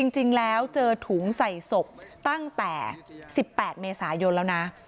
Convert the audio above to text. จริงแล้วเจอถุงใส่ศพตั้งแต่๑๘เมษายนแล้วนะ